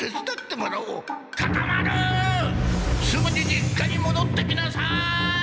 すぐに実家にもどってきなさい！